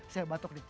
saya batuk dik